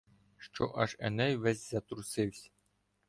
Що аж Еней ввесь затрусивсь.